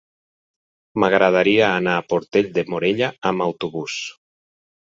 M'agradaria anar a Portell de Morella amb autobús.